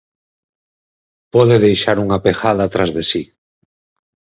...pode deixar unha pegada tras de si.